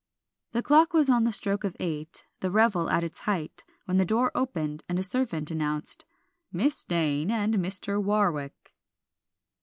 The clock was on the stroke of eight, the revel at its height, when the door opened and a servant announced "Miss Dane and Mr. Warwick."